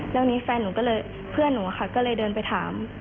แล้วนี้แฟนหนูก็เลยเพื่อนหนูค่ะก็เลยเดินไปถาม